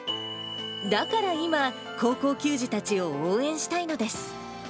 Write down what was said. だから今、高校球児たちを応援したいのです。